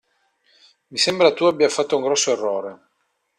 Mi sembra tu abbia fatto un grosso errore.